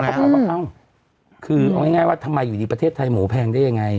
เอ้าคือเอาง่ายง่ายว่าทำไมอยู่ในประเทศไทยหมูแพงได้ยังไง